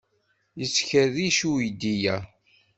Yettkerric uydi-a.